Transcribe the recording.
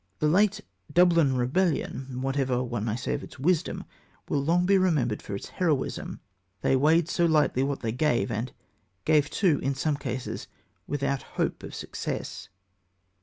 The late Dublin Rebellion, whatever one may say of its wisdom, will long be remembered for its heroism. "They weighed so lightly what they gave," and gave, too, in some cases without hope of success.